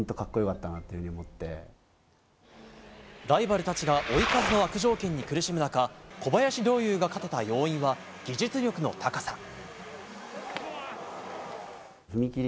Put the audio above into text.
ライバルたちが追い風の悪条件に苦しむ中小林陵侑が勝てた要因は技術力の高さ。